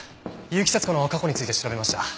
結城節子の過去について調べました。